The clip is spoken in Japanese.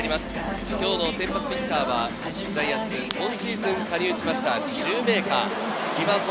今日の先発ピッチャーはジャイアンツ、今シーズン加入しました、シューメーカー。